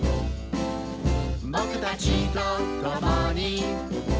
「ぼくたちとともに」